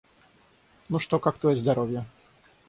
Ну, что, как твое здоровье?